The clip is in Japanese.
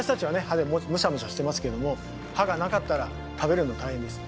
歯でむしゃむしゃしてますけども歯がなかったら食べるの大変です。